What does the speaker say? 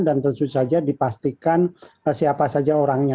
dan tentu saja dipastikan siapa saja orangnya